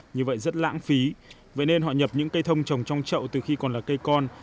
như vậy rất lãng phí vậy nên họ nhập những cây thông trồng trong trậu từ khi còn là cây con